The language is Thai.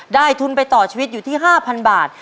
ทุนไปต่อชีวิตอยู่ที่๕๐๐บาท